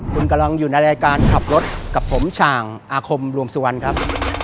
คุณกำลังอยู่ในรายการขับรถกับผมฉ่างอาคมรวมสุวรรณครับ